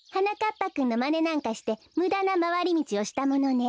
ぱくんのまねなんかしてむだなまわりみちをしたものね。